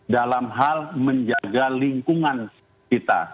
dalam hal menjaga lingkungan kita